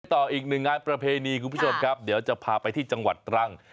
ต่ออีกหนึ่งงานประเพณีคุณผู้ชมครับเดี๋ยวจะพาไปที่จังหวัดตรัง